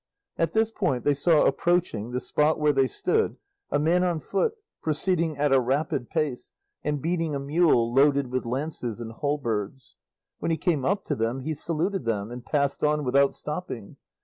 At this point they saw approaching the spot where they stood a man on foot, proceeding at a rapid pace, and beating a mule loaded with lances and halberds. When he came up to them, he saluted them and passed on without stopping.